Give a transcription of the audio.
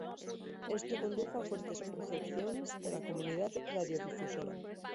Esto condujo a fuertes objeciones de la comunidad radiodifusora.